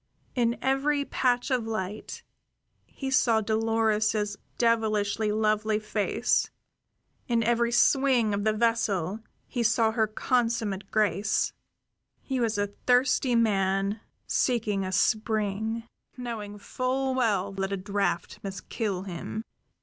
In every patch of light he saw Dolores's devilishly lovely face; in every swing of the vessel he saw her consummate grace; he was a thirsty man seeking a spring, knowing full well that a draft must kill him.